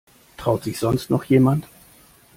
Traut sich sonst noch jemand?